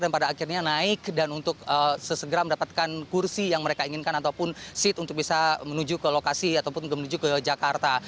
dan pada akhirnya naik dan untuk sesegera mendapatkan kursi yang mereka inginkan ataupun seat untuk bisa menuju ke lokasi ataupun menuju ke jakarta